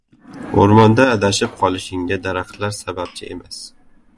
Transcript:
• O‘rmonda adashib qolishingga daraxtlar sababchi emas.